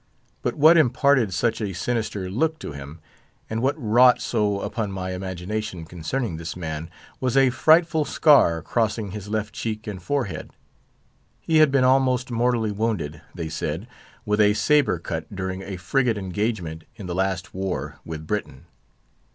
But what imparted such a sinister look to him, and what wrought so upon my imagination concerning this man, was a frightful scar crossing his left cheek and forehead. He had been almost mortally wounded, they said, with a sabre cut, during a frigate engagement in the last war with Britain.